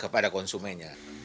kepada konsumen ya